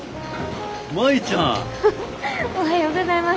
フフおはようございます。